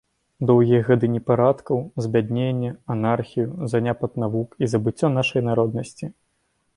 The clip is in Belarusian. Доўгія гады непарадкаў, збядненне, анархію, заняпад навук і забыццё нашай народнасці.